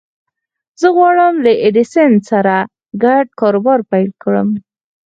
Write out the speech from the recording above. زه غواړم له ايډېسن سره ګډ کاروبار پيل کړم.